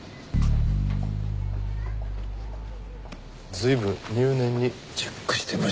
随分入念にチェックしてましたね。